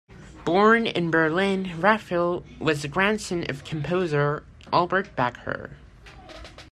Born in Berlin, Raphael was the grandson of composer Albert Becker.